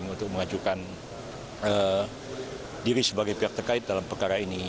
saya tidak mempunyai lega standar untuk mengajukan diri sebagai pihak terkait dalam perkara ini